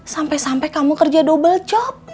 sampai sampai kamu kerja double chop